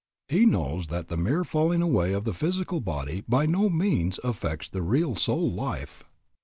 He knows that the mere falling away of the physical body by no means affects the real soul life.